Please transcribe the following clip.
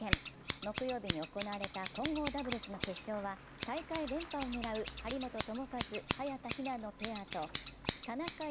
木曜日に行われた混合ダブルスの決勝は大会連覇を狙う張本智和・早田ひなのペアと田中佑